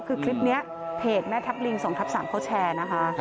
คือคลิปนี้เพจแม่ทัพลิง๒ทับ๓เขาแชร์นะคะ